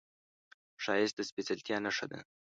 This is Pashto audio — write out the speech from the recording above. ښایست د سپېڅلتیا نښه ده